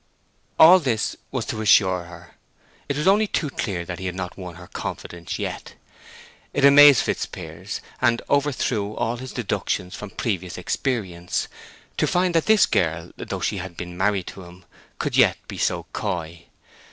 All this was to assure her; it was only too clear that he had not won her confidence yet. It amazed Fitzpiers, and overthrew all his deductions from previous experience, to find that this girl, though she had been married to him, could yet be so coy.